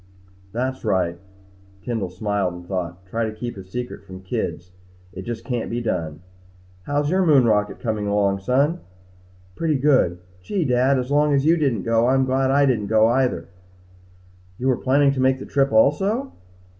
"That's right." Kendall smiled and thought. Try to keep a secret from the kids. It just can't be done. "How's your moon rocket coming along, son?" "Pretty good. Gee, Dad! As long as you didn't go, I'm glad I didn't go either." "You were planning to make the trip also?"